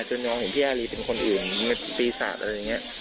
จนมองเห็นพี่อารีเป็นคนอื่นปีศาจอะไรอย่างนี้